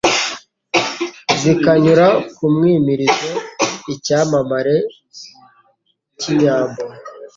Zikanyura ku mwimirizi; Icyamamare cy' inyambo,